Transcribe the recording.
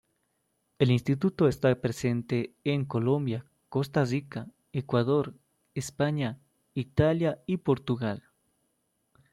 El instituto está presente en Colombia, Costa Rica, Ecuador, España, Italia y Portugal.